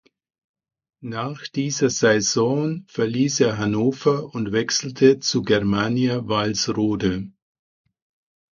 Nach dieser Saison verließ er Hannover und wechselte zu Germania Walsrode.